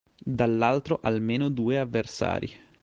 Dall'altro almeno due avversari.